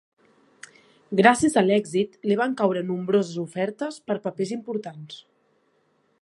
Gràcies a l'èxit, li van caure nombroses ofertes per papers importants.